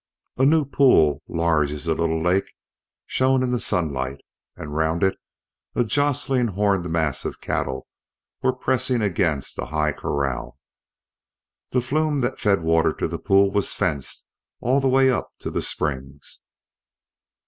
A new pool, large as a little lake, shone in the sunlight, and round it a jostling horned mass of cattle were pressing against a high corral. The flume that fed water to the pool was fenced all the way up to the springs.